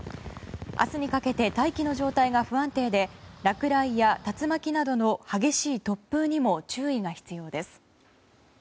明日にかけて大気の状態が不安定で落雷や竜巻などの激しい突風にも注意が必要です。